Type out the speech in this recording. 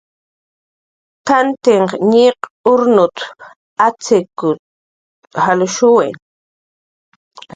"T'antiq ñiq urnut"" ach'shut"" jalshuwi"